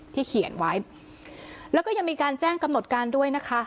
เขียนไว้แล้วก็ยังมีการแจ้งกำหนดการด้วยนะคะ